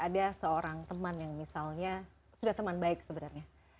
ada seorang teman yang misalnya sudah teman baik sebenarnya